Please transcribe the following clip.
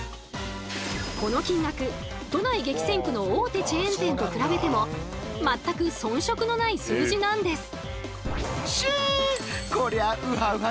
この金額都内激戦区の大手チェーン店と比べても全く遜色のない数字なんです。